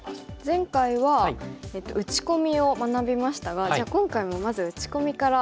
前回は打ち込みを学びましたがじゃあ今回もまず打ち込みから。